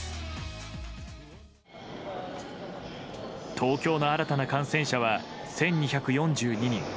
東京の新たな感染者は１２４２人。